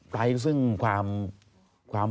ใต้ซึ่งความ